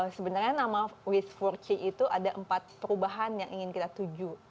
sebenarnya nama wis for chie itu ada empat perubahan yang ingin kita tuju